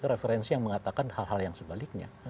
referensi yang mengatakan hal hal yang sebaliknya